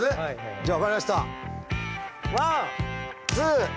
じゃあ分かりました。